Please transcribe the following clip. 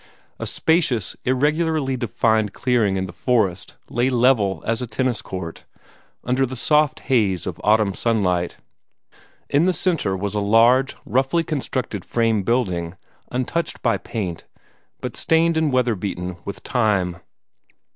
A spacious, irregularly defined clearing in the forest lay level as a tennis court, under the soft haze of autumn sunlight. In the centre was a large, roughly constructed frame building, untouched by paint, but stained and weather beaten with time.